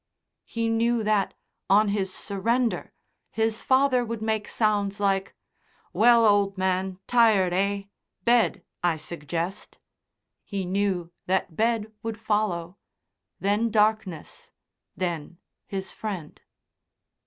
He knew that, on his surrender, his father would make sounds like, "Well, old man, tired, eh? Bed, I suggest." He knew that bed would follow. Then darkness, then his friend.